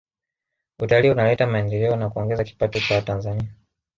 Utalii unaleta maendeleo na kuongeza kipato cha watanzania